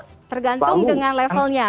tergantung dengan levelnya